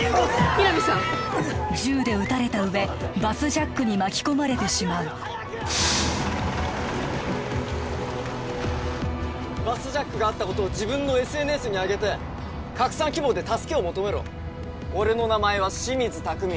皆実さん銃で撃たれた上バスジャックに巻き込まれてしまうバスジャックがあったことを自分のＳＮＳにあげて拡散希望で助けを求めろ俺の名前は清水拓海